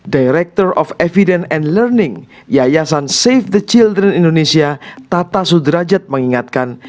direktur evidence and learning yayasan save the children indonesia tata sudrajat mengingatkan